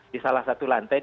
di salah satu lantai